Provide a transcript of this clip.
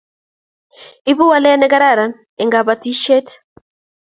Ibu walet ne kararan eng kapotishet